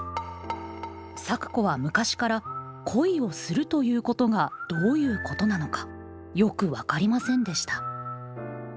咲子は昔から恋をするということがどういうことなのかよく分かりませんでした。